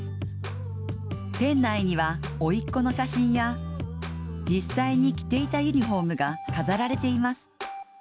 店内には、おいっ子の写真や実際に着ていたユニフォームが飾られています